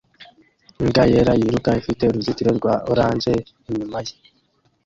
Imbwa yera yiruka ifite uruzitiro rwa orange inyuma ye